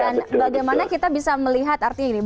dan bagaimana kita bisa melihat artinya ini